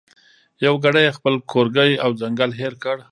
یو ګړی یې خپل کورګی او ځنګل هېر کړ